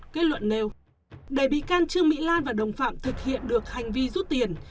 kết luận nêu để bị can trương mỹ lan và đồng phạm thực hiện được hành vi rút tiền